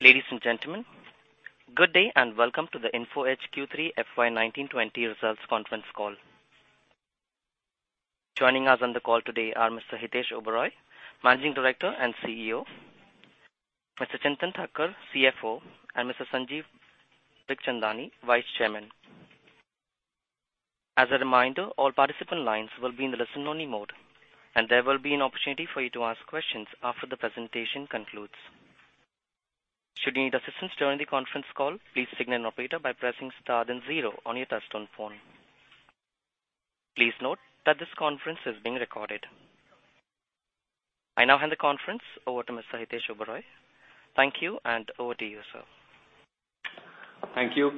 Ladies and gentlemen, good day, and welcome to the Info Edge Q3 FY 2019-20 results conference call. Joining us on the call today are Mr. Hitesh Oberoi, Managing Director and CEO, Mr. Chintan Thakkar, CFO, and Mr. Sanjeev Bikhchandani, Vice Chairman. As a reminder, all participant lines will be in the listen-only mode, and there will be an opportunity for you to ask questions after the presentation concludes. Should you need assistance during the conference call, please signal an operator by pressing star then zero on your touch-tone phone. Please note that this conference is being recorded. I now hand the conference over to Mr. Hitesh Oberoi. Thank you, and over to you, sir. Thank you.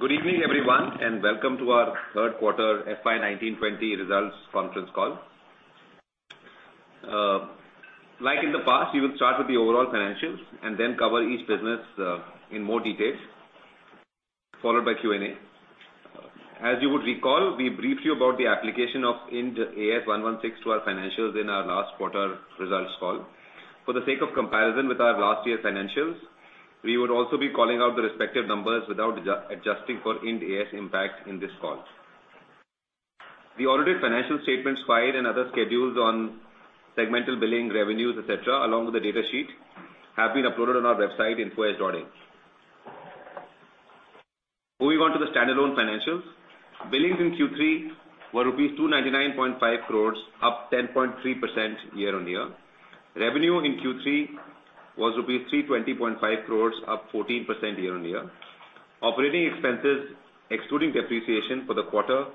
Good evening, everyone, welcome to our third quarter FY 2019-20 results conference call. Like in the past, we will start with the overall financials and then cover each business in more detail, followed by Q&A. As you would recall, we briefed you about the application of Ind AS 116 to our financials in our last quarter results call. For the sake of comparison with our last year's financials, we would also be calling out the respective numbers without adjusting for Ind AS impact in this call. The audited financial statements filed and other schedules on segmental billing revenues, et cetera, along with the data sheet, have been uploaded on our website, infoedge.in. Moving on to the standalone financials. Billings in Q3 were 299.5 crore rupees, up 10.3% year-on-year. Revenue in Q3 was rupees 320.5 crore, up 14% year-on-year. Operating expenses, excluding depreciation for the quarter,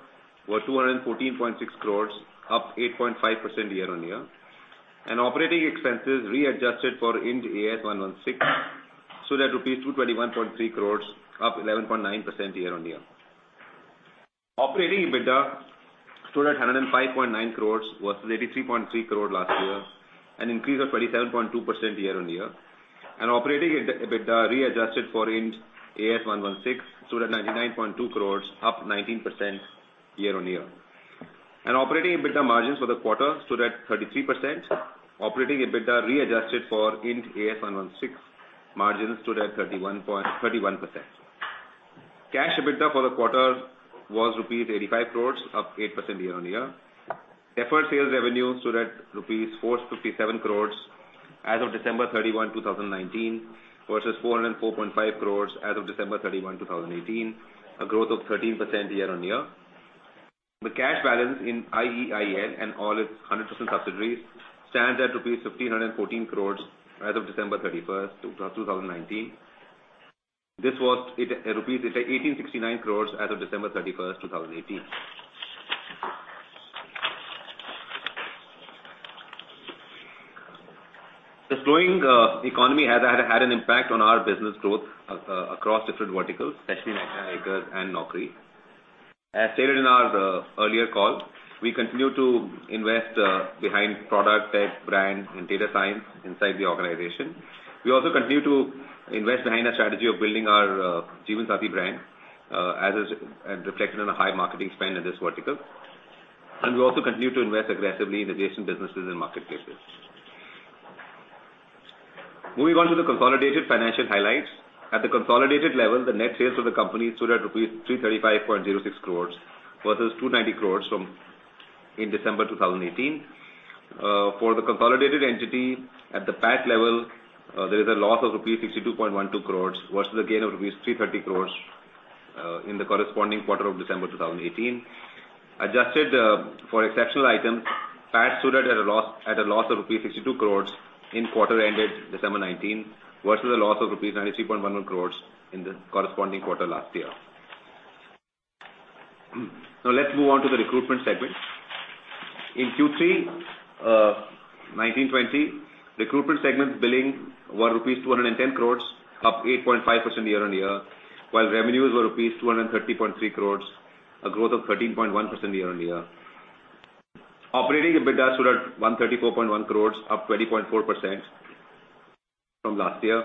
were 214.6 crore, up 8.5% year-on-year. Operating expenses readjusted for Ind AS 116 stood at INR 221.3 crore, up 11.9% year-on-year. Operating EBITDA stood at 105.9 crore versus 83.3 crore last year, an increase of 27.2% year-on-year. Operating EBITDA readjusted for Ind AS 116 stood at 99.2 crore, up 19% year-on-year. Operating EBITDA margins for the quarter stood at 33%. Operating EBITDA readjusted for Ind AS 116 margins stood at 31%. Cash EBITDA for the quarter was rupees 85 crore, up 8% year-on-year. Deferred sales revenue stood at rupees 457 crore as of December 31, 2019 versus 404.5 crore as of December 31, 2018, a growth of 13% year-on-year. The cash balance in IEIL and all its 100% subsidiaries stands at rupees 1,514 crore as of December 31st, 2019. This was rupees 1,869 crore as of December 31st, 2018. The slowing economy has had an impact on our business growth across different verticals, especially Naukri. As stated in our earlier call, we continue to invest behind product tech, brand, and data science inside the organization. We also continue to invest behind our strategy of building our Jeevansathi brand, as is reflected in the high marketing spend in this vertical. We also continue to invest aggressively in adjacent businesses and marketplaces. Moving on to the consolidated financial highlights. At the consolidated level, the net sales for the company stood at INR 335.06 crore versus 290 crore in December 2018. For the consolidated entity at the PAT level, there is a loss of rupees 62.12 crore versus a gain of rupees 330 crore, in the corresponding quarter of December 2018. Adjusted for exceptional items, PAT stood at a loss of rupees 62 crore in quarter ended December 2019 versus a loss of rupees 93.11 crore in the corresponding quarter last year. Let's move on to the recruitment segment. In Q3 FY 2019-20, recruitment segment billing were rupees 210 crore, up 8.5% year-on-year, while revenues were rupees 230.3 crore, a growth of 13.1% year-on-year. Operating EBITDA stood at 134.1 crore, up 20.4% from last year.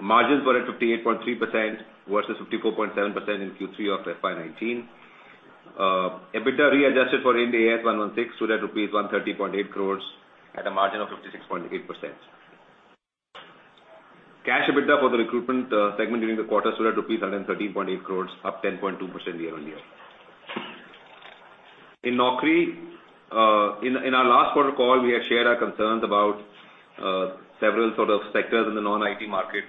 Margins were at 58.3% versus 54.7% in Q3 of FY 2019. EBITDA readjusted for Ind AS 116 stood at rupees 130.8 crore at a margin of 56.8%. Cash EBITDA for the recruitment segment during the quarter stood at 113.8 crore, up 10.2% year-on-year. In Naukri, in our last quarter call, we had shared our concerns about several sort of sectors in the non-IT market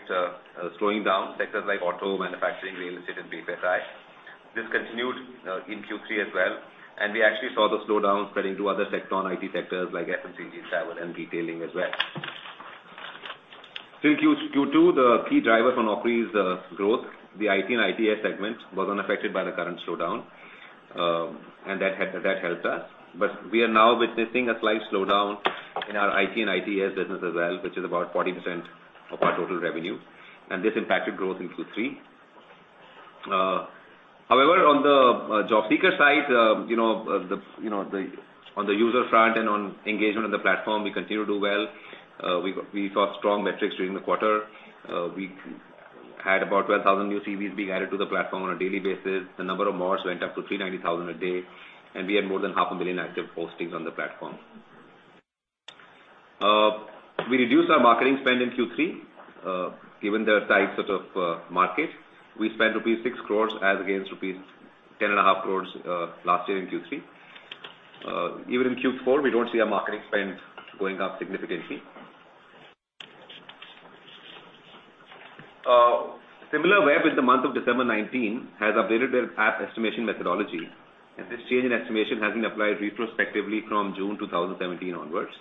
slowing down, sectors like auto, manufacturing, real estate, and BFSI. This continued in Q3 as well, and we actually saw the slowdown spreading to other non-IT sectors like FMCG, travel, and retailing as well. Still, due to the key drivers on Naukri's growth, the IT and ITES segment was unaffected by the current slowdown, and that helped us. We are now witnessing a slight slowdown in our IT and ITES business as well, which is about 40% of our total revenue, and this impacted growth in Q3. However, on the job seeker side, on the user front and on engagement on the platform, we continue to do well. We saw strong metrics during the quarter. We had about 12,000 new CVs being added to the platform on a daily basis. The number of mods went up to 390,000 a day, and we had more than 500,000 active postings on the platform. We reduced our marketing spend in Q3, given the tight market. We spent rupees 6 crore as against rupees 10.5 crore last year in Q3. In Q4, we don't see our marketing spend going up significantly. Similarweb, with the month of December 2019, has updated their app estimation methodology, and this change in estimation has been applied retrospectively from June 2017 onwards.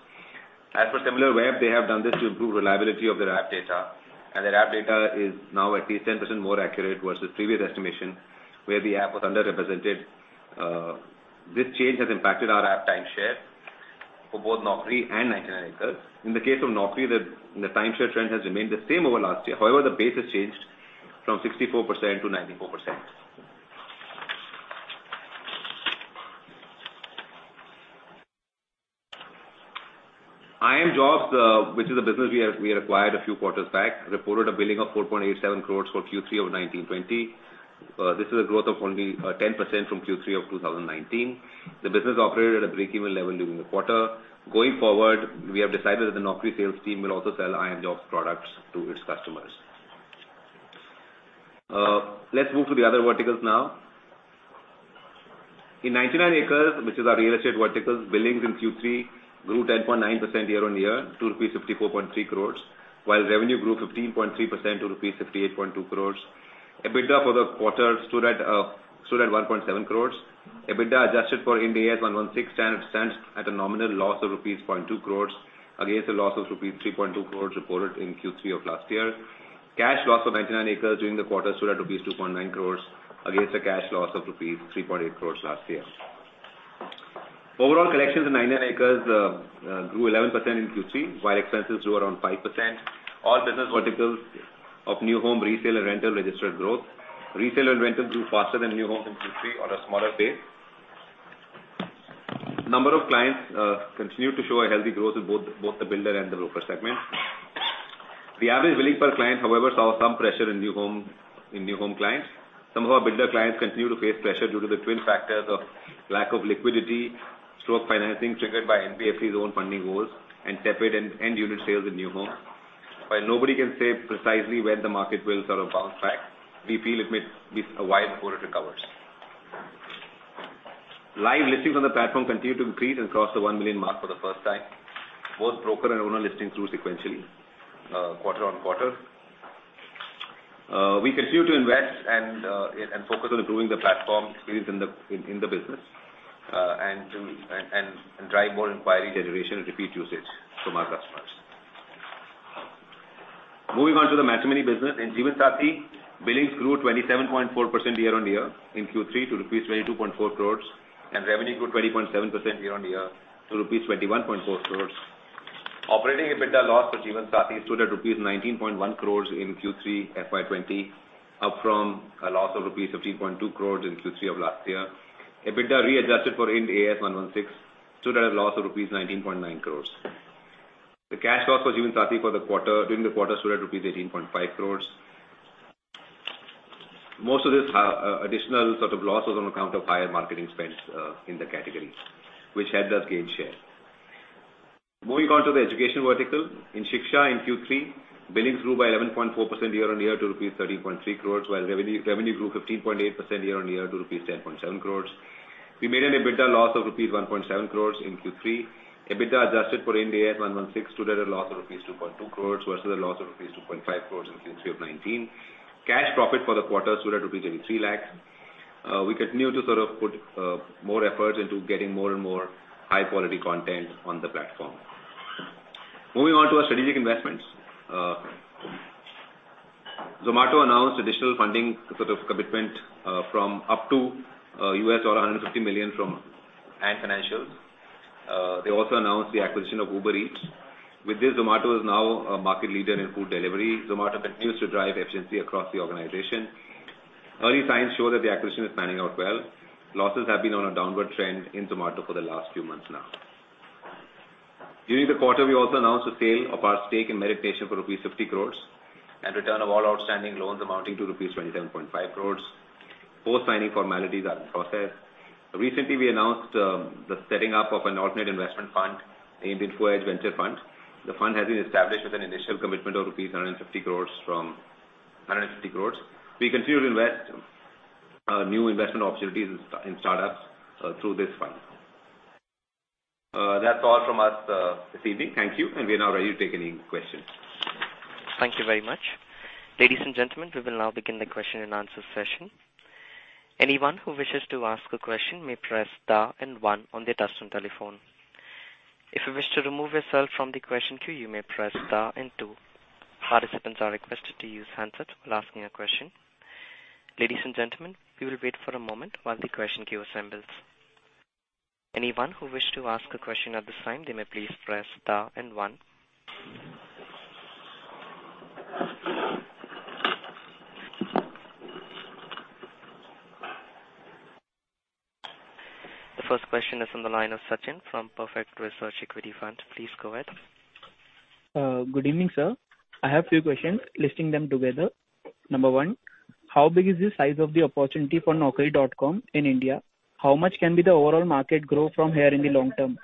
For Similarweb, they have done this to improve reliability of their app data, and their app data is now at least 10% more accurate versus previous estimation, where the app was underrepresented. This change has impacted our app timeshare for both Naukri and 99acres. In the case of Naukri, the timeshare trend has remained the same over last year. The base has changed from 64% to 94%. iimjobs, which is a business we acquired a few quarters back, reported a billing of 4.87 crore for Q3 of FY 2019-20. This is a growth of only 10% from Q3 of 2019. The business operated at a breakeven level during the quarter. Going forward, we have decided that the Naukri sales team will also sell iimjobs products to its customers. Let's move to the other verticals now. In 99acres.com, which is our real estate verticals, billings in Q3 grew 10.9% year-on-year to rupees 54.3 crore, while revenue grew 15.3% to rupees 58.2 crore. EBITDA for the quarter stood at 1.7 crore. EBITDA adjusted for Ind AS 116 stands at a nominal loss of rupees 0.2 crore against a loss of rupees 3.2 crore reported in Q3 of last year. Cash loss for 99acres during the quarter stood at rupees 2.9 crore against a cash loss of rupees 3.8 crore last year. Overall collections in 99acres grew 11% in Q3, while expenses grew around 5%. All business verticals of new home, resale, and rental registered growth. Resale and rental grew faster than new homes in Q3 on a smaller base. Number of clients continued to show a healthy growth in both the builder and the broker segment. The average billing per client, however, saw some pressure in new home clients. Some of our builder clients continue to face pressure due to the twin factors of lack of liquidity/financing triggered by NBFCs' own funding woes and tepid end-unit sales in new homes. While nobody can say precisely when the market will sort of bounce back, we feel it may be a while before it recovers. Live listings on the platform continued to increase and crossed the 1 million mark for the first time. Both broker and owner listings grew sequentially quarter-on-quarter. We continue to invest and focus on improving the platform experience in the business and drive more inquiry generation and repeat usage from our customers. Moving on to the matrimony business. In Jeevansathi, billings grew 27.4% year-on-year in Q3 to rupees 22.4 crore and revenue grew 20.7% year-on-year to rupees 21.4 crore. Operating EBITDA loss for Jeevansathi stood at rupees 19.1 crore in Q3 FY 2020, up from a loss of rupees 15.2 crore in Q3 of last year. EBITDA readjusted for Ind AS 116 stood at a loss of rupees 19.9 crore. The cash loss for Jeevansathi during the quarter stood at rupees 18.5 crore. Most of this additional sort of loss was on account of higher marketing spends in the category, which helped us gain share. Moving on to the education vertical. In Shiksha, in Q3, billings grew by 11.4% year-on-year to rupees 13.3 crore, while revenue grew 15.8% year-on-year to rupees 10.7 crore. We made an EBITDA loss of rupees 1.7 crore in Q3. EBITDA adjusted for Ind AS 116 stood at a loss of rupees 2.2 crore versus a loss of rupees 2.5 crore in Q3 of 2019. Cash profit for the quarter stood at rupees 23 lakh. We continue to sort of put more efforts into getting more and more high-quality content on the platform. Moving on to our strategic investments. Zomato announced additional funding sort of commitment from up to $150 million from Ant Financial. They also announced the acquisition of Uber Eats. With this, Zomato is now a market leader in food delivery. Zomato continues to drive efficiency across the organization. Early signs show that the acquisition is panning out well. Losses have been on a downward trend in Zomato for the last few months now. During the quarter, we also announced the sale of our stake in Meritnation for rupees 50 crore and return of all outstanding loans amounting to rupees 27.5 crore. Post-signing formalities are in process. Recently, we announced the setting up of an alternate investment fund, named Info Edge Venture Fund. The fund has been established with an initial commitment of 150 crore. We continue to invest new investment opportunities in startups through this fund. That's all from us this evening. Thank you. We are now ready to take any questions. Thank you very much. Ladies and gentlemen, we will now begin the question and answer session. Anyone who wishes to ask a question may press star and one on their touchtone telephone. If you wish to remove yourself from the question queue, you may press star and two. Participants are requested to use handsets while asking a question. Ladies and gentlemen, we will wait for a moment while the question queue assembles. Anyone who wishes to ask a question at this time, they may please press star and one. The first question is on the line of Sachin from Perfect Research Equity Fund. Please go ahead. Good evening, sir. I have a few questions, listing them together. Number one, how big is the size of the opportunity for Naukri.com in India? How much can be the overall market growth from here in the long term?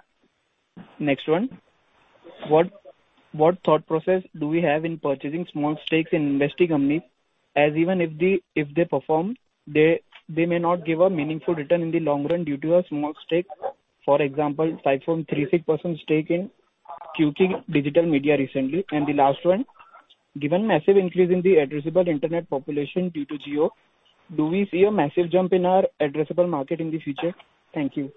Next one, what thought process do we have in purchasing small stakes in investing companies? Even if they perform, they may not give a meaningful return in the long run due to a small stake. For example, 5.36% stake in Qyuki Digital Media recently. The last one, given massive increase in the addressable internet population due to Jio, do we see a massive jump in our addressable market in the future? Thank you.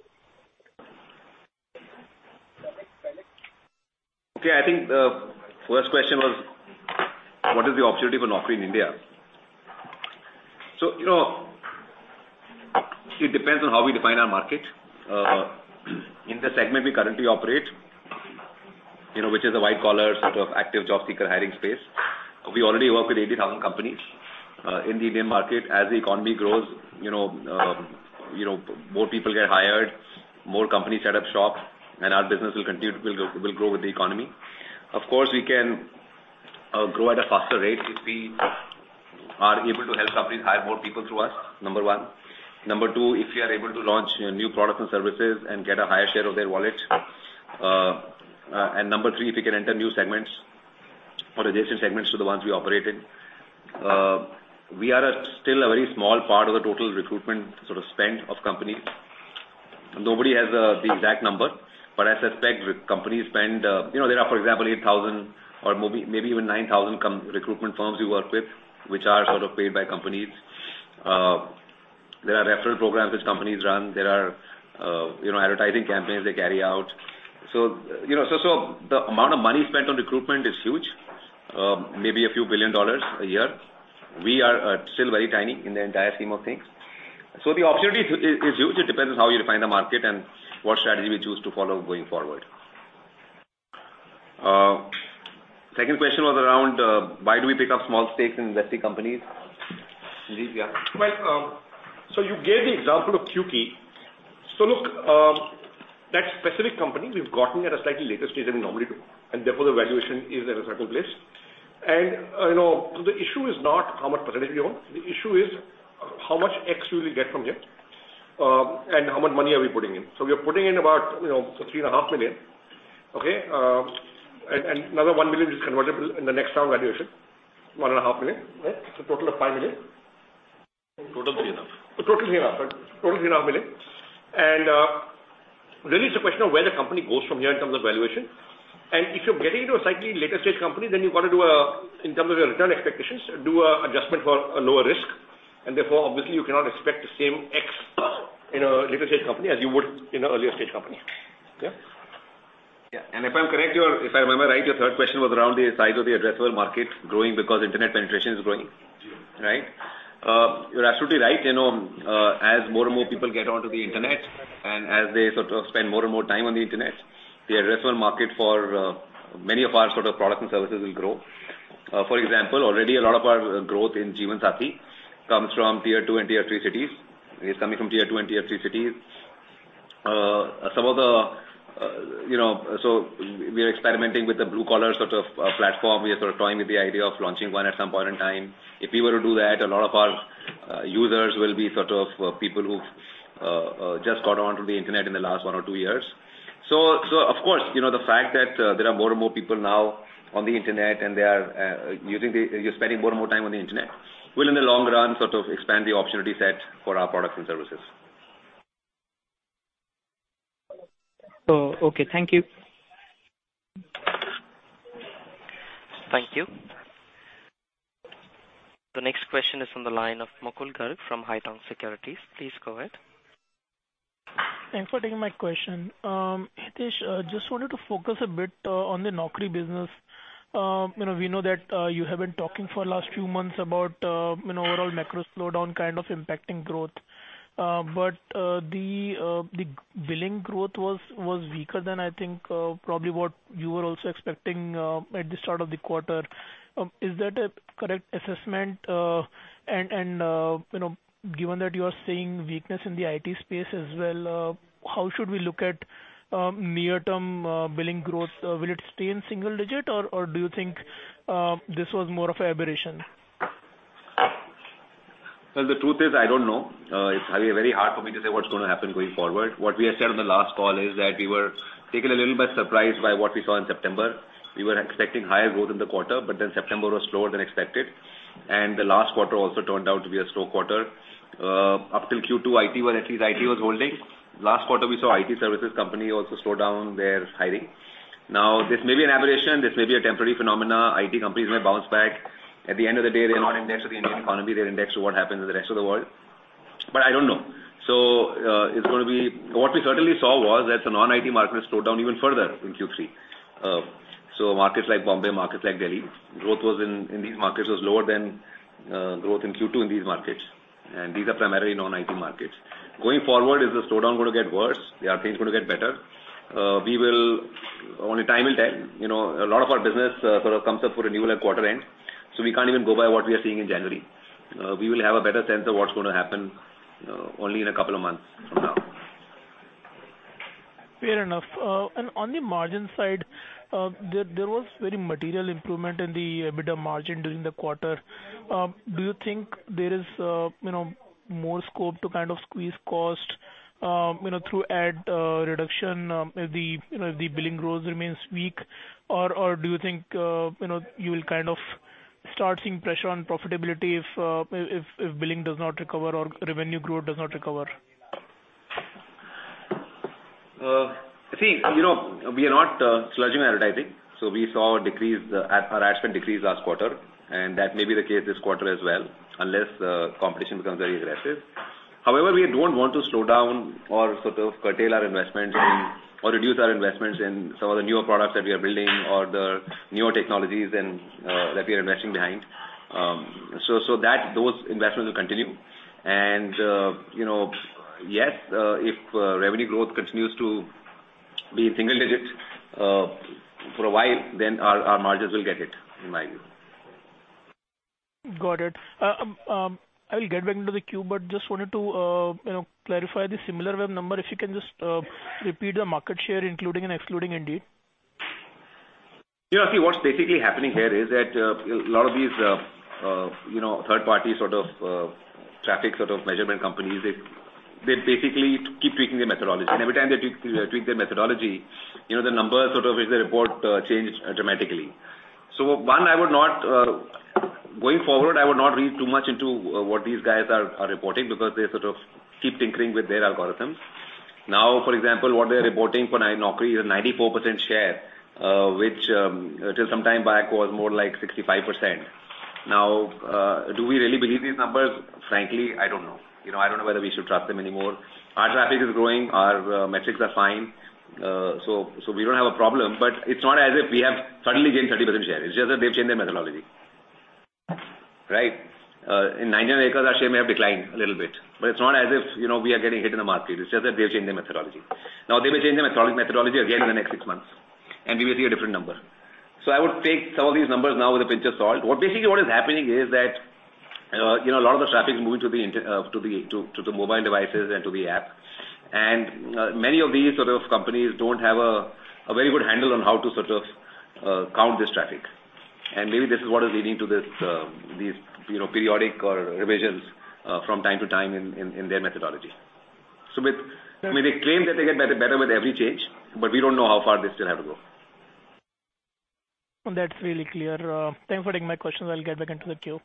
Okay. I think the first question was what is the opportunity for Naukri in India. It depends on how we define our market. In the segment we currently operate, which is a white collar, sort of active job seeker hiring space. We already work with 80,000 companies in the Indian market. As the economy grows, more people get hired, more companies set up shop, and our business will grow with the economy. Of course, we can grow at a faster rate if we are able to help companies hire more people through us, number one. Number two, if we are able to launch new products and services and get a higher share of their wallet. Number three, if we can enter new segments or adjacent segments to the ones we operate in. We are still a very small part of the total recruitment sort of spend of companies. Nobody has the exact number, but I suspect companies spend, there are, for example, 8,000 or maybe even 9,000 recruitment firms we work with, which are sort of paid by companies. There are referral programs which companies run. There are advertising campaigns they carry out. The amount of money spent on recruitment is huge. Maybe a few billion dollars a year. We are still very tiny in the entire scheme of things. The opportunity is huge. It depends on how you define the market and what strategy we choose to follow going forward. Second question was around why do we pick up small stakes in investing companies. Sanjeev, yeah. You gave the example of Qyuki. Look, that specific company, we've gotten at a slightly later stage than we normally do, and therefore the valuation is at a certain place. The issue is not how much percentage we own. The issue is how much X we will get from here, and how much money are we putting in. We are putting in about 3.5 million. Okay? Another 1 million, which is convertible in the next round valuation. 1.5 million. Right? A total of 5 million. Total three and a half. Total three and a half, sorry. Total 3.5 million. Really it's a question of where the company goes from here in terms of valuation. If you're getting into a slightly later stage company, then you've got to do, in terms of your return expectations, do a adjustment for a lower risk. Therefore, obviously, you cannot expect the same X in a later stage company as you would in an earlier stage company. Yeah. Yeah. If I'm correct, if I remember right, your third question was around the size of the addressable market growing because internet penetration is growing. Right? You're absolutely right. As more and more people get onto the internet, and as they sort of spend more and more time on the internet, the addressable market for many of our sort of products and services will grow. For example, already a lot of our growth in Jeevansathi.com comes from tier 2 and tier 3 cities. It's coming from tier 2 and tier 3 cities. We're experimenting with the blue collar sort of platform. We are sort of toying with the idea of launching one at some point in time. If we were to do that, a lot of our users will be sort of people who've just got onto the internet in the last one or two years. Of course, the fact that there are more and more people now on the internet, and they are spending more and more time on the internet, will in the long run sort of expand the opportunity set for our products and services. Okay. Thank you. Thank you. The next question is on the line of Mukul Garg from Haitong Securities. Please go ahead. Thanks for taking my question. Hitesh, just wanted to focus a bit on the Naukri business. We know that you have been talking for last few months about overall macro slowdown kind of impacting growth. The billing growth was weaker than I think probably what you were also expecting at the start of the quarter. Is that a correct assessment? Given that you are seeing weakness in the IT space as well, how should we look at near term billing growth? Will it stay in single digit, or do you think this was more of an aberration? Well, the truth is, I don't know. It's very hard for me to say what's going to happen going forward. What we had said on the last call is that we were taken a little bit surprised by what we saw in September. We were expecting higher growth in the quarter. September was slower than expected. The last quarter also turned out to be a slow quarter. Up till Q2, at least IT was holding. Last quarter, we saw IT services company also slow down their hiring. Now, this may be an aberration, this may be a temporary phenomenon. IT companies may bounce back. At the end of the day, they're not indexed to the Indian economy, they're indexed to what happens in the rest of the world. I don't know. What we certainly saw was that the non-IT market slowed down even further in Q3. Markets like Bombay, markets like Delhi, growth in these markets was lower than growth in Q2 in these markets. These are primarily non-IT markets. Going forward, is the slowdown going to get worse? Are things going to get better? Only time will tell. A lot of our business sort of comes up for renewal at quarter end. We can't even go by what we are seeing in January. We will have a better sense of what's going to happen only in a couple of months from now. Fair enough. On the margin side, there was very material improvement in the EBITDA margin during the quarter. Do you think there is more scope to squeeze cost through ad reduction if the billing growth remains weak? Do you think you will start seeing pressure on profitability if billing does not recover or revenue growth does not recover? We are not slashing advertising. We saw our ad spend decrease last quarter, and that may be the case this quarter as well, unless competition becomes very aggressive. However, we don't want to slow down or sort of curtail our investments in, or reduce our investments in some of the newer products that we are building or the newer technologies that we are investing behind. Those investments will continue and, yes, if revenue growth continues to be in single digits for a while, then our margins will get hit, in my view. Got it. I will get back into the queue, but just wanted to clarify the Similarweb number. If you can just repeat the market share, including and excluding Indeed. What's basically happening here is that a lot of these third-party traffic measurement companies, they basically keep tweaking their methodology. Every time they tweak their methodology, the numbers which they report change dramatically. One, going forward, I would not read too much into what these guys are reporting because they sort of keep tinkering with their algorithms. For example, what they're reporting for Naukri is a 94% share, which, until some time back, was more like 65%. Do we really believe these numbers? Frankly, I don't know. I don't know whether we should trust them anymore. Our traffic is growing, our metrics are fine, so we don't have a problem, but it's not as if we have suddenly gained 30% share. It's just that they've changed their methodology. Right. In 99acres.com, our share may have declined a little bit, but it's not as if we are getting hit in the market. It's just that they've changed their methodology. They may change their methodology again in the next six months, we will see a different number. I would take some of these numbers now with a pinch of salt. Basically, what is happening is that a lot of the traffic is moving to the mobile devices and to the app. Many of these sort of companies don't have a very good handle on how to count this traffic. Maybe this is what is leading to these periodic revisions from time to time in their methodology. They claim that they get better with every change, but we don't know how far they still have to go. That's really clear. Thanks for taking my questions. I'll get back into the queue.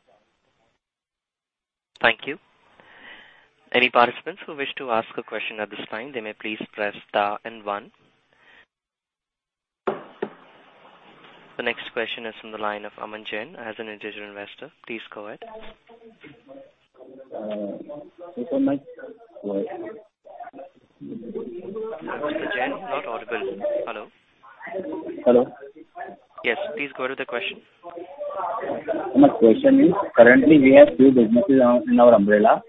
Thank you. Any participants who wish to ask a question at this time, they may please press star and one. The next question is from the line of Aman Jain as an individual investor. Please go ahead. Mr. Jain, you are not audible. Hello? Hello. Yes. Please go ahead with the question. My question is, currently we have few businesses in our umbrella,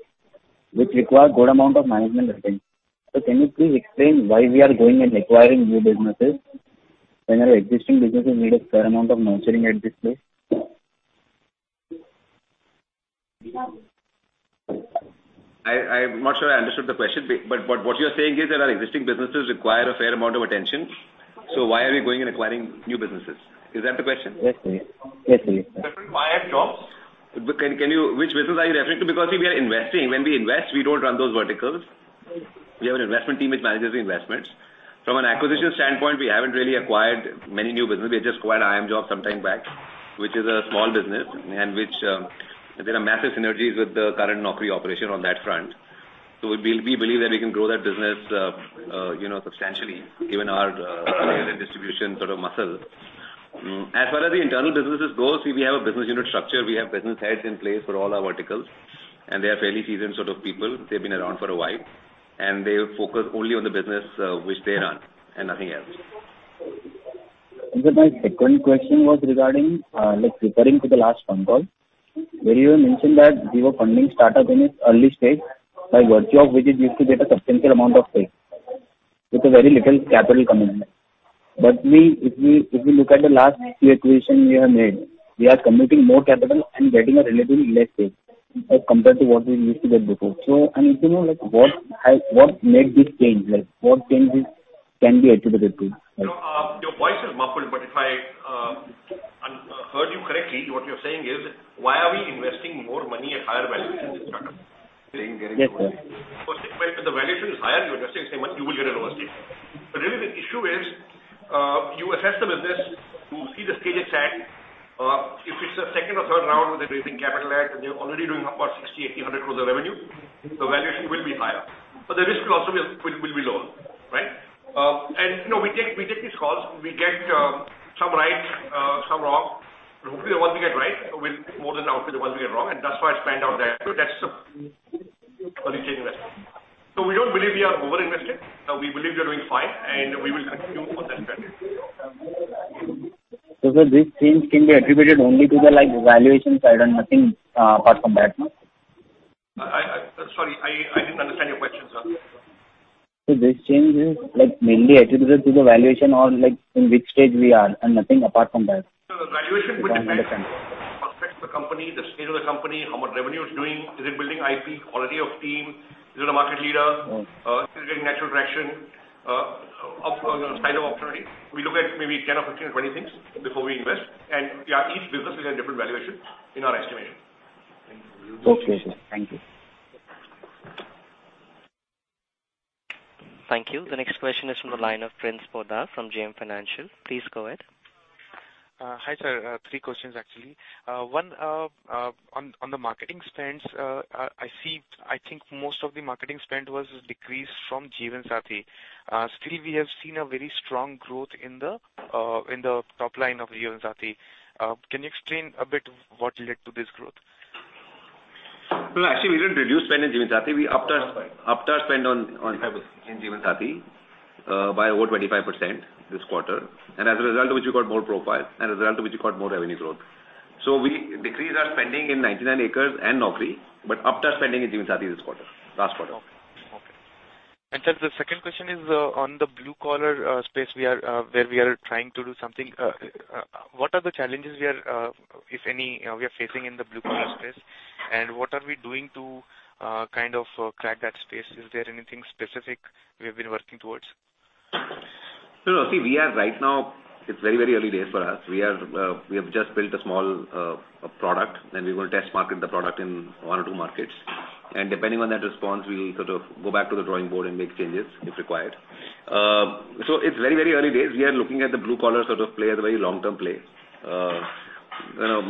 which require good amount of management attention. Can you please explain why we are going and acquiring new businesses when our existing businesses need a fair amount of nurturing at this place? I'm not sure I understood the question, but what you're saying is that our existing businesses require a fair amount of attention. Why are we going and acquiring new businesses? Is that the question? Yes, sir. Refer to iimjobs. Which business are you referring to? We are investing. When we invest, we don't run those verticals. We have an investment team which manages the investments. From an acquisition standpoint, we haven't really acquired many new businesses. We just acquired iimjobs some time back, which is a small business, and which there are massive synergies with the current Naukri operation on that front. We believe that we can grow that business substantially given our distribution sort of muscle. As far as the internal businesses goes, we have a business unit structure. We have business heads in place for all our verticals, and they are fairly seasoned sort of people. They've been around for a while, and they focus only on the business which they run and nothing else. My second question was regarding, referring to the last phone call where you were mentioning that you were funding startups in its early stage, by virtue of which you used to get a substantial amount of pay with a very little capital commitment. If we look at the last few acquisitions we have made, we are committing more capital and getting a relatively less pay as compared to what we used to get before. If you know, what made this change? What changes can be attributed to it? Your voice is muffled. If I heard you correctly, what you're saying is, why are we investing more money at higher valuations in startups? Yes, sir. If the valuation is higher, you invest in someone, you will get a lower stake. Really the issue is, you assess the business to see the stage it's at. If it's a second or third round where they're raising capital at, and they're already doing about 60 crore, 80 crore, 100 crore of revenue, the valuation will be higher. The risk will also be low, right? We take these calls. We get some right, some wrong. Hopefully, the ones we get right will more than outdo the ones we get wrong, and that's why it's panned out there. That's early-stage investing. We don't believe we are over-invested. We believe we are doing fine, and we will continue with that strategy. Sir, these things can be attributed only to the valuation side and nothing apart from that, no? Sorry, I didn't understand your question, sir. This change is mainly attributed to the valuation, or in which stage we are and nothing apart from that? No, the valuation would depend. Understood on the prospects of the company, the stage of the company, how much revenue it's doing, is it building IP, quality of team, is it a market leader. Yes Is it getting natural traction, upside of opportunity? We look at maybe 10 or 15 or 20 things before we invest, and each business will get a different valuation in our estimation. Thank you. Okay. Thank you. Thank you. The next question is from the line of Prince Poddar from JM Financial. Please go ahead. Hi, sir. Three questions, actually. One, on the marketing spends, I think most of the marketing spend was decreased from Jeevansathi.com. Still we have seen a very strong growth in the top line of Jeevansathi.com. Can you explain a bit what led to this growth? No, actually we didn't reduce spend in Jeevansathi.com. We upped our spend in Jeevansathi.com by over 25% this quarter, and as a result of which we got more profiles, and as a result of which we got more revenue growth. We decreased our spending in 99acres.com and Naukri.com, but upped our spending in Jeevansathi.com this quarter, last quarter. Okay. Sir, the second question is on the blue-collar space, where we are trying to do something. What are the challenges, if any, we are facing in the blue-collar space? What are we doing to crack that space? Is there anything specific we have been working towards? No, see, we are right now, it's very early days for us. We have just built a small product. We will test market the product in one or two markets. Depending on that response, we'll go back to the drawing board and make changes if required. It's very early days. We are looking at the blue collar play as a very long-term play.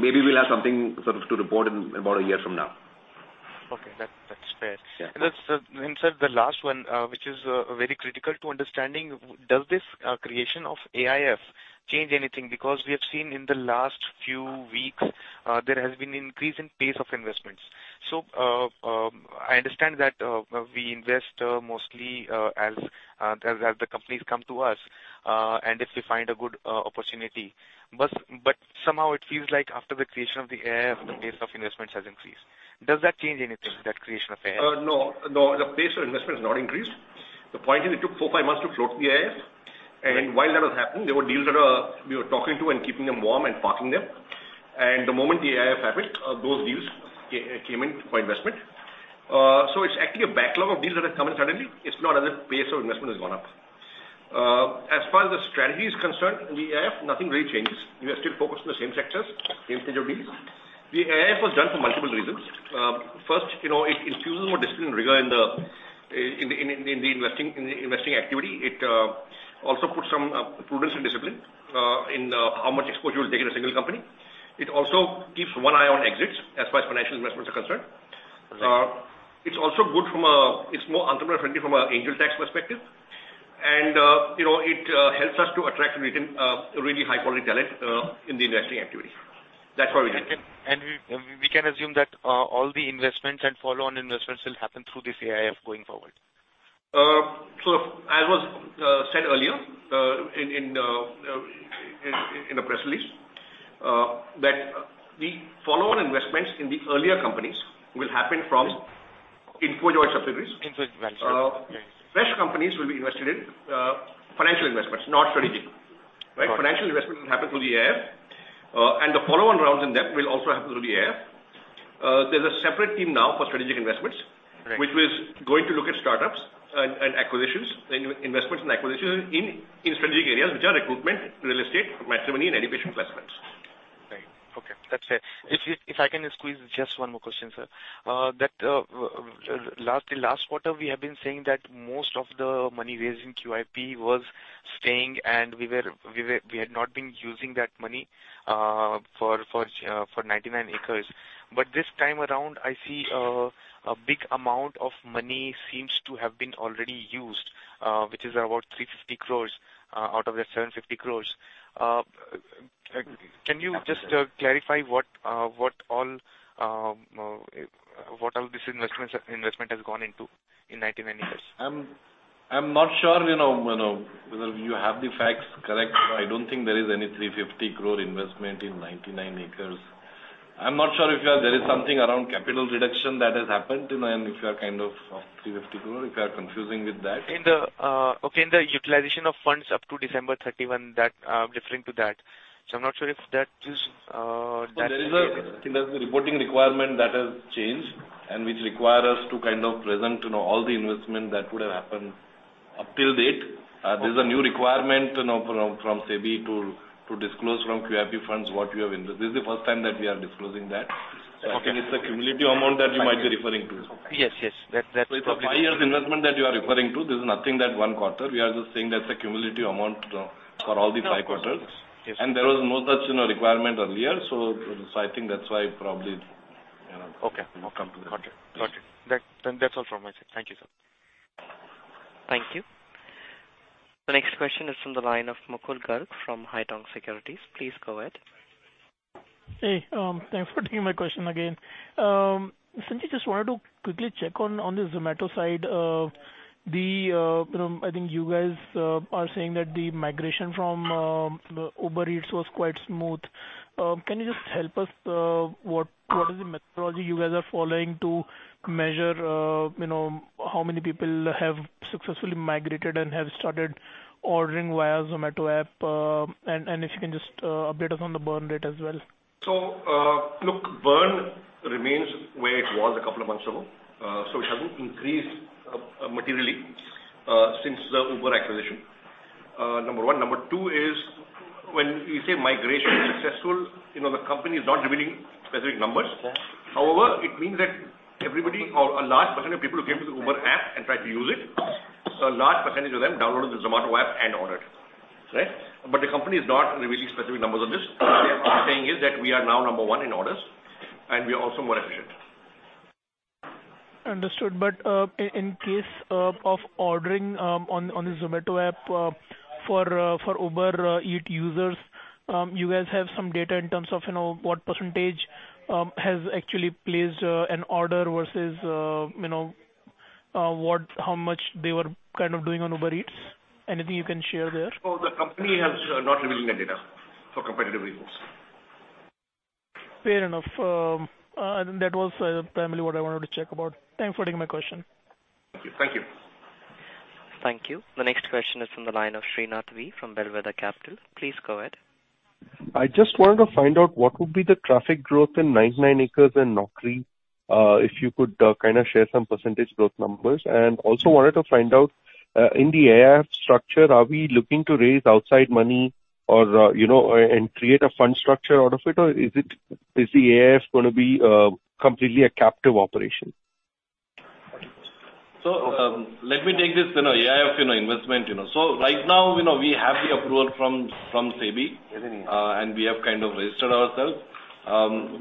Maybe we'll have something to report in about one year from now. Okay, that's fair. Yeah. Then, sir, the last one, which is very critical to understanding, does this creation of AIF change anything? We have seen in the last few weeks, there has been an increase in pace of investments. I understand that we invest mostly as the companies come to us, and if we find a good opportunity. Somehow it feels like after the creation of the AIF, the pace of investments has increased. Does that change anything, that creation of AIF? No, the pace of investment has not increased. The point is it took four, five months to float the AIF. Right. While that was happening, there were deals that we were talking to and keeping them warm and parking them. The moment the AIF happened, those deals came in for investment. It's actually a backlog of deals that have come in suddenly. It's not as if pace of investment has gone up. As far as the strategy is concerned, in the AIF, nothing really changes. We are still focused on the same sectors, same stage of deals. The AIF was done for multiple reasons. First, it infuses more discipline and rigor in the investing activity. It also puts some prudence and discipline in how much exposure you'll take in a single company. It also keeps one eye on exits as far as financial investments are concerned. Right. It's also more entrepreneur-friendly from an angel tax perspective. It helps us to attract really high-quality talent in the investing activity. That's why we did it. We can assume that all the investments and follow-on investments will happen through this AIF going forward? As was said earlier in the press release, that the follow-on investments in the earlier companies will happen from Info Edge subsidiaries. Info Edge Ventures. Fresh companies will be invested in, financial investments, not strategic. Got it. Financial investments will happen through the AIF. The follow-on rounds in that will also happen through the AIF. There's a separate team now for strategic investments. Right which is going to look at startups and investments and acquisitions in strategic areas, which are recruitment, real estate, matrimony, and education placements. Right. Okay, that's it. If I can squeeze just one more question, sir. Last quarter we have been saying that most of the money raised in QIP was staying, and we had not been using that money for 99acres. This time around, I see a big amount of money seems to have been already used, which is about 350 crore out of that 750 crore. Can you just clarify what all this investment has gone into in 99acres? I'm not sure whether you have the facts correct. I don't think there is any 350 crore investment in 99acres. I'm not sure if there is something around capital reduction that has happened, and if you are kind of, 350 crore, if you are confusing with that. Okay, the utilization of funds up to December 31, referring to that. I'm not sure if that is. There is a reporting requirement that has changed, and which require us to present all the investment that would have happened up till date. Okay. There's a new requirement from SEBI to disclose from QIP funds what we have invested. This is the first time that we are disclosing that. Okay. I think it's a cumulative amount that you might be referring to. Yes. That. It's a five years investment that you are referring to. This is nothing that one quarter, we are just saying that's a cumulative amount for all the five quarters. Yes. There was no such requirement earlier, so I think that's why. Okay. You know. Got it. That's all from my side. Thank you, sir. Thank you. The next question is from the line of Mukul Garg from Haitong Securities. Please go ahead. Hey, thanks for taking my question again. Sanjeev, just wanted to quickly check on the Zomato side. I think you guys are saying that the migration from Uber Eats was quite smooth. Can you just help us, what is the methodology you guys are following to measure how many people have successfully migrated and have started ordering via Zomato app? If you can just update us on the burn rate as well. Look, burn remains where it was a couple of months ago. It hasn't increased materially since the Uber acquisition. Number one. Number two is when you say migration is successful, the company is not revealing specific numbers. Okay. It means that everybody or a large percentage of people who came to the Uber app and tried to use it, so a large percentage of them downloaded the Zomato app and ordered. Right? The company is not revealing specific numbers on this. What they are saying is that we are now number one in orders and we are also more efficient. Understood. In case of ordering on the Zomato app for Uber Eats users, you guys have some data in terms of what percentage has actually placed an order versus how much they were kind of doing on Uber Eats? Anything you can share there? The company has not revealed any data for competitive reasons. Fair enough. That was primarily what I wanted to check about. Thanks for taking my question. Thank you. Thank you. The next question is from the line of Srinath V from Bellwether Capital. Please go ahead. I just wanted to find out what would be the traffic growth in 99acres.com and Naukri. If you could kind of share some % growth numbers. Also wanted to find out, in the AIF structure, are we looking to raise outside money and create a fund structure out of it, or is the AIF going to be completely a captive operation? Let me take this AIF investment. Right now, we have the approval from SEBI and we have kind of registered ourselves.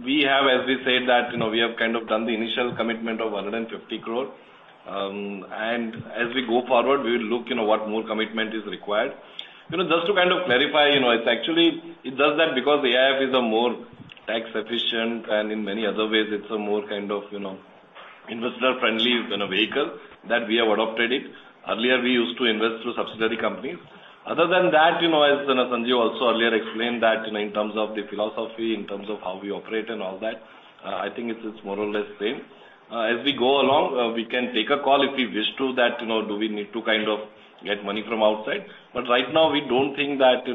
We have, as we said, that we have kind of done the initial commitment of 150 crore and as we go forward, we will look what more commitment is required. Just to kind of clarify, it's actually it does that because the AIF is a more tax efficient and in many other ways it's a more kind of investor-friendly vehicle that we have adopted it. Earlier, we used to invest through subsidiary companies. Other than that, as Sanjeev also earlier explained that in terms of the philosophy, in terms of how we operate and all that, I think it's more or less same. As we go along, we can take a call if we wish to that: Do we need to get money from outside? Right now we don't think that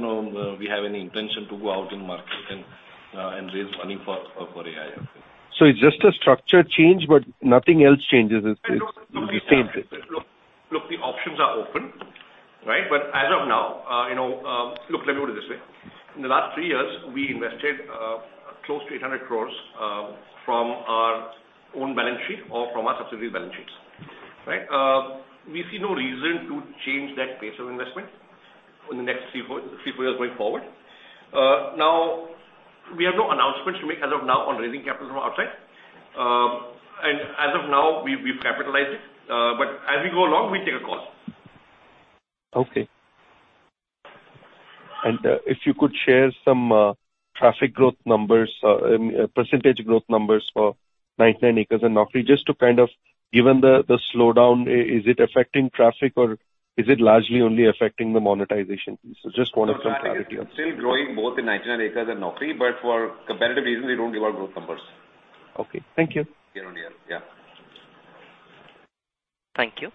we have any intention to go out in market and raise money for AIF. It's just a structure change, but nothing else changes. No. It'll be same. Look, the options are open, right? Look, let me put it this way. In the last three years, we invested close to 800 crore from our own balance sheet or from our subsidiary balance sheets. Right? We see no reason to change that pace of investment in the next three quarters going forward. Now, we have no announcements to make as of now on raising capital from outside. As of now, we've capitalized it. As we go along, we take a call. Okay. If you could share some traffic growth numbers, percentage growth numbers for 99acres.com and Naukri. Given the slowdown, is it affecting traffic or is it largely only affecting the monetization piece? Just wanted some clarity on that. Traffic is still growing both in 99acres.com and Naukri, but for competitive reasons, we don't give out growth numbers. Okay. Thank you. Year-on-year. Yeah. Thank you.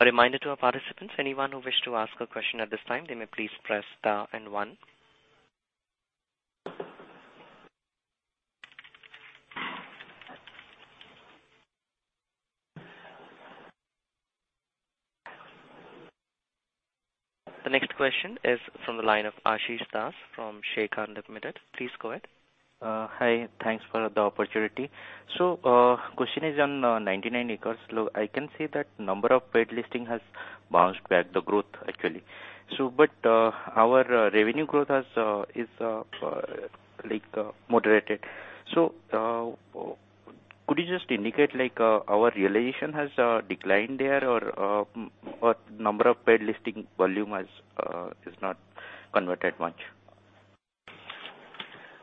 A reminder to our participants, anyone who wish to ask a question at this time, they may please press star and one. The next question is from the line of Ashish Das from Sharekhan Limited. Please go ahead. Hi, thanks for the opportunity. Question is on 99acres.com. Look, I can see that number of paid listing has bounced back the growth, actually. Our revenue growth is moderated. Could you just indicate our realization has declined there or number of paid listing volume has not converted much?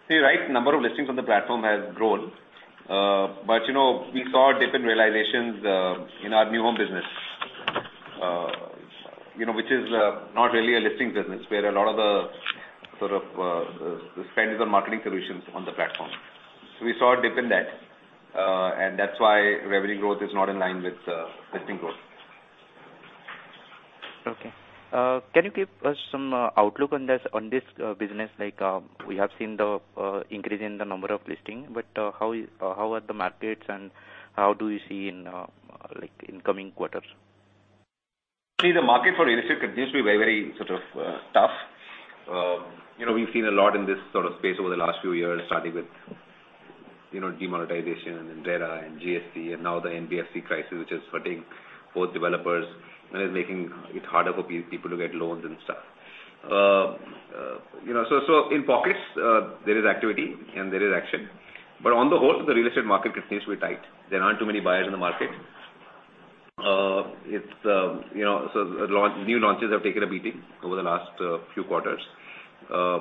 See, right, number of listings on the platform has grown. We saw dip in realizations in our new home business, which is not really a listing business where a lot of the sort of spend is on marketing solutions on the platform. We saw a dip in that, and that's why revenue growth is not in line with listing growth. Okay. Can you give us some outlook on this business? We have seen the increase in the number of listing. How are the markets and how do you see in coming quarters? See, the market for real estate continues to be very sort of tough. We've seen a lot in this sort of space over the last few years, starting with demonetization and then RERA and GST and now the NBFC crisis, which is hurting both developers and is making it harder for people to get loans and stuff. In pockets, there is activity and there is action. On the whole, the real estate market continues to be tight. There aren't too many buyers in the market New launches have taken a beating over the last few quarters. There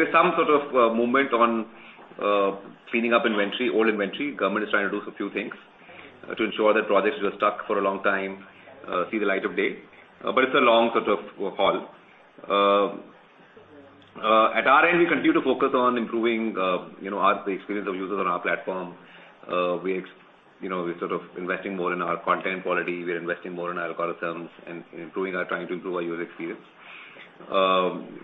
is some sort of movement on cleaning up inventory, old inventory. Government is trying to do a few things to ensure that projects which were stuck for a long time see the light of day. It's a long sort of haul. At our end, we continue to focus on improving the experience of users on our platform. We're sort of investing more in our content quality. We're investing more in our algorithms and trying to improve our user experience.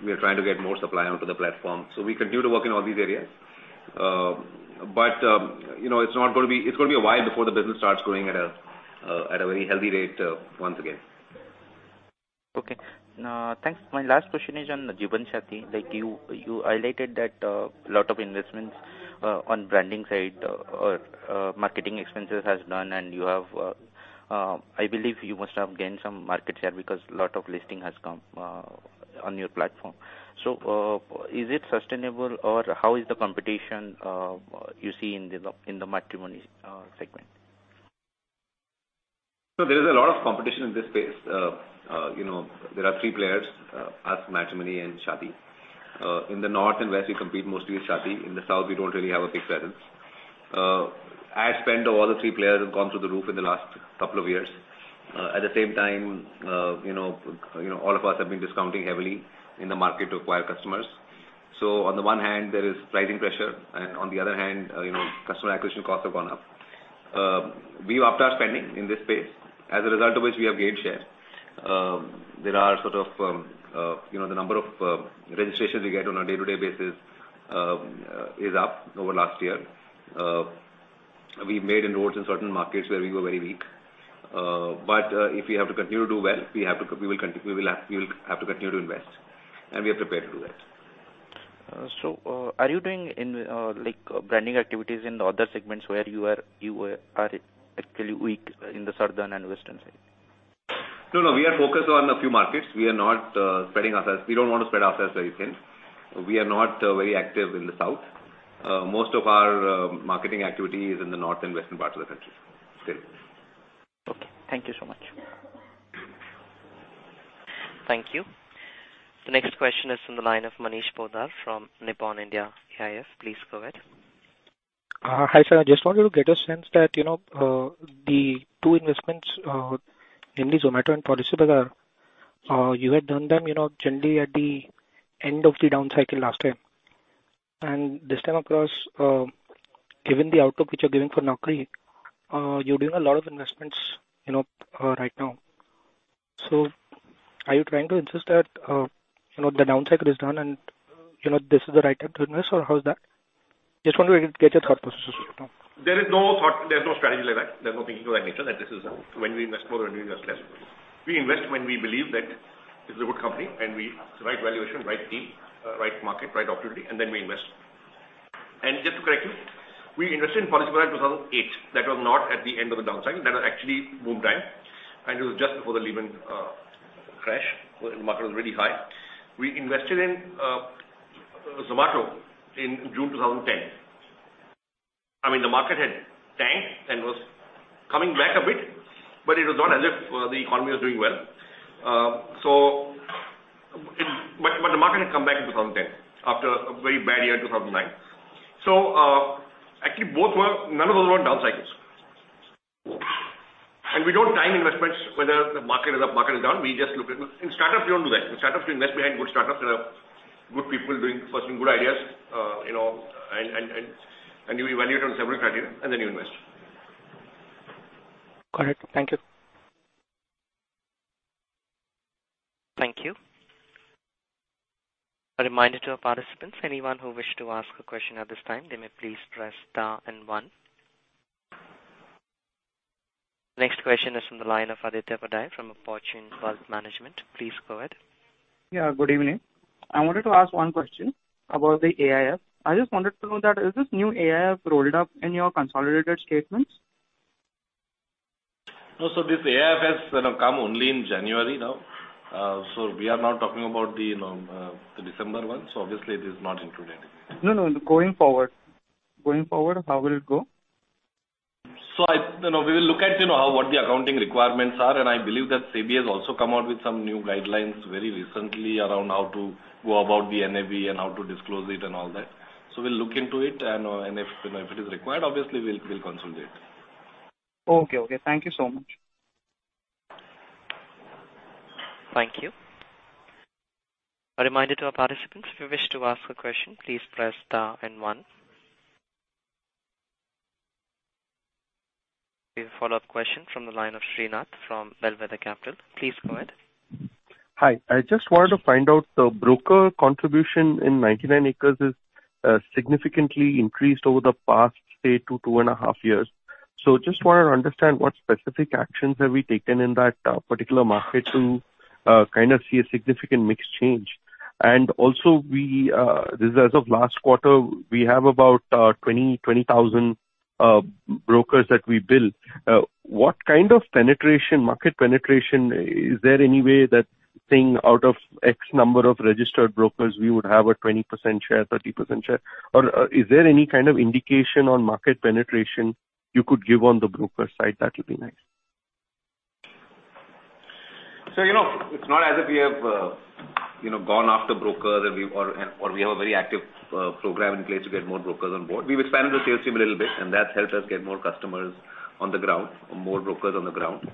We are trying to get more supply onto the platform. We continue to work in all these areas. It's going to be a while before the business starts growing at a very healthy rate once again. Okay. Thanks. My last question is on jeevansathi.com. You highlighted that a lot of investments on branding side or marketing expenses has done, and I believe you must have gained some market share because a lot of listing has come on your platform. Is it sustainable or how is the competition you see in the matrimony segment? There is a lot of competition in this space. There are three players, us, Matrimony.com, and Shaadi.com. In the North and West, we compete mostly with Shaadi.com. In the South, we don't really have a big presence. Ad spend of all the three players have gone through the roof in the last couple of years. At the same time, all of us have been discounting heavily in the market to acquire customers. On the one hand, there is pricing pressure, and on the other hand, customer acquisition costs have gone up. We upped our spending in this space, as a result of which we have gained share. The number of registrations we get on a day-to-day basis is up over last year. We've made inroads in certain markets where we were very weak. If we have to continue to do well, we will have to continue to invest, and we are prepared to do that. Are you doing branding activities in the other segments where you are actually weak in the Southern and Western side? No, no. We are focused on a few markets. We don't want to spread ourselves very thin. We are not very active in the South. Most of our marketing activity is in the North and Western parts of the country still. Okay. Thank you so much. Thank you. The next question is from the line of Manish Poddar from Nippon India AIF. Please go ahead. Hi, sir. I just wanted to get a sense that the two investments, namely Zomato and Policybazaar, you had done them generally at the end of the down cycle last time. This time across, given the outlook which you're giving for Naukri, you're doing a lot of investments right now. Are you trying to insist that the down cycle is done and this is the right time to invest, or how is that? I just want to get your thought process right now. There's no strategy like that. There's no thinking of that nature, that this is when we invest more and we invest less. We invest when we believe that this is a good company, and it's the right valuation, right team, right market, right opportunity, and then we invest. Just to correct you, we invested in Policybazaar in 2008. That was not at the end of the down cycle. That was actually boom time, and it was just before the Lehman crash, where the market was really high. We invested in Zomato in June 2010. I mean, the market had tanked and was coming back a bit, but it was not as if the economy was doing well. The market had come back in 2010 after a very bad year in 2009. Actually, none of those were down cycles. We don't time investments whether the market is up, market is down. In startups, we don't do that. In startups, we invest behind good startups that have good people pursuing good ideas, and you evaluate on several criteria, and then you invest. Correct. Thank you. Thank you. A reminder to our participants, anyone who wishes to ask a question at this time, they may please press star and one. Next question is from the line of Aditya Patade from Fortune Wealth Management. Please go ahead. Yeah, good evening. I wanted to ask one question about the AIF. I just wanted to know that, is this new AIF rolled up in your consolidated statements? No. This AIF has come only in January now. We are now talking about the December one, so obviously it is not included. No. Going forward, how will it go? We will look at what the accounting requirements are, and I believe that SEBI has also come out with some new guidelines very recently around how to go about the NAV and how to disclose it and all that. We'll look into it, and if it is required, obviously we'll consolidate. Okay. Thank you so much. Thank you. A reminder to our participants, if you wish to ask a question, please press star and one. We have a follow-up question from the line of Srinath from Bellwether Capital. Please go ahead. Hi. I just wanted to find out the broker contribution in 99acres.com is significantly increased over the past, say, 2-2 and a half years. Just wanted to understand what specific actions have we taken in that particular market to kind of see a significant mix change. Also, as of last quarter, we have about 20,000 brokers that we built. What kind of market penetration, is there any way that saying out of X number of registered brokers, we would have a 20% share, 30% share? Is there any kind of indication on market penetration you could give on the broker side? That would be nice. It's not as if we have gone after brokers or we have a very active program in place to get more brokers on board. We've expanded the sales team a little bit, and that's helped us get more customers on the ground, more brokers on the ground.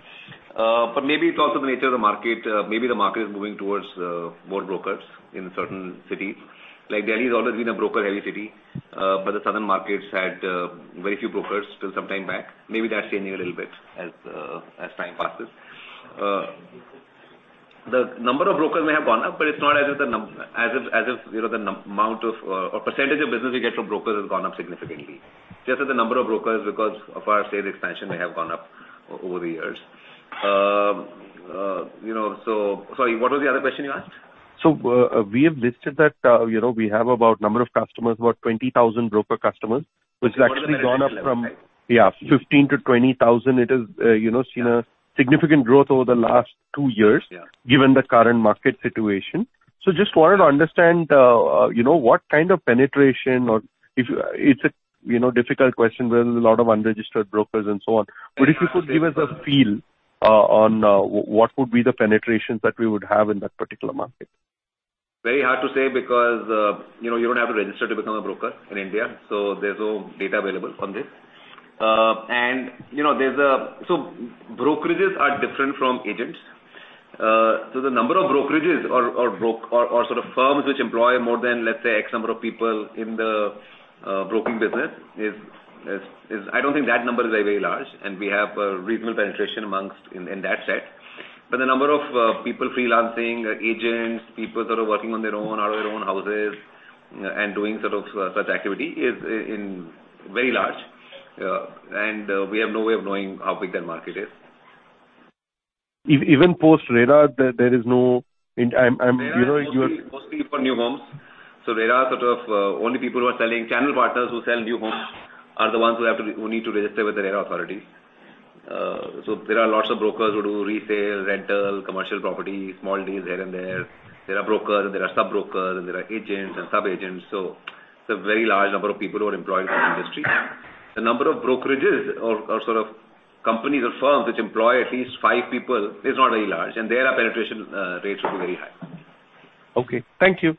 Maybe it's also the nature of the market. Maybe the market is moving towards more brokers in certain cities. Like Delhi has always been a broker-heavy city, but the southern markets had very few brokers till some time back. Maybe that's changing a little bit as time passes. The number of brokers may have gone up, but it's not as if the percentage of business we get from brokers has gone up significantly. Just that the number of brokers, because of our sales expansion, may have gone up over the years. Sorry, what was the other question you asked? We have listed that we have about number of customers, about 20,000 broker customers, which has actually gone up from, Yeah, 15,000-20,000. It has seen a significant growth over the last two years. Yeah. Given the current market situation. I just wanted to understand what kind of penetration, if it's a difficult question, where there's a lot of unregistered brokers and so on. If you could give us a feel on what would be the penetrations that we would have in that particular market. Very hard to say because you don't have to register to become a broker in India, there's no data available on this. Brokerages are different from agents. The number of brokerages or sort of firms which employ more than, let's say, X number of people in the broking business, I don't think that number is very large, and we have reasonable penetration in that set. The number of people freelancing, agents, people sort of working on their own, out of their own houses and doing sort of such activity is very large. We have no way of knowing how big that market is. Even post-RERA, there is no RERA is mostly for new homes. RERA sort of only people who are channel partners who sell new homes are the ones who need to register with the RERA authority. There are lots of brokers who do resale, rental, commercial property, small deals here and there. There are brokers, and there are sub-brokers, and there are agents and sub-agents. It's a very large number of people who are employed in the industry. The number of brokerages or sort of companies or firms which employ at least five people is not very large, and there our penetration rates will be very high. Okay. Thank you.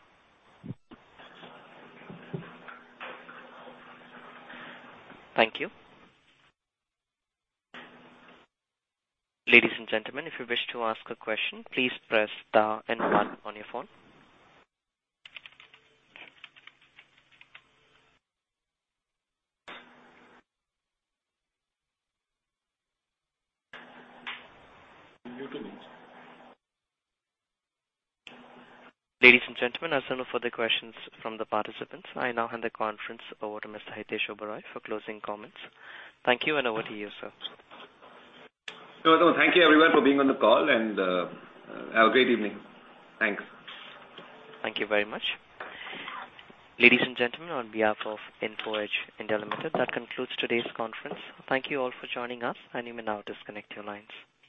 Thank you. Ladies and gentlemen, if you wish to ask a question, please press star one on your phone. Ladies and gentlemen, as there are no further questions from the participants, I now hand the conference over to Mr. Hitesh Oberoi for closing comments. Thank you, and over to you, sir. No, thank you everyone for being on the call, and have a great evening. Thanks. Thank you very much. Ladies and gentlemen, on behalf of Info Edge India Limited, that concludes today's conference. Thank you all for joining us, and you may now disconnect your lines.